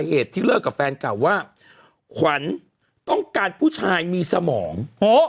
เหตุที่เลิกกับแฟนเก่าว่าขวัญต้องการผู้ชายมีสมอง